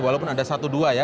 walaupun ada satu dua ya